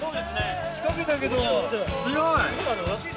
仕掛けたけど強い。